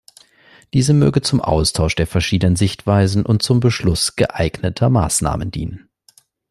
Diese möge zum Austausch der verschiedenen Sichtweisen und zum Beschluss geeigneter Maßnahmen dienen.